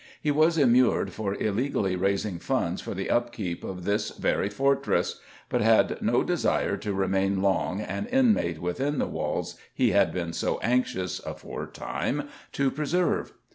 He was immured for illegally raising funds for the upkeep of this very fortress, but had no desire to remain long an inmate within the walls he had been so anxious, aforetime, to preserve.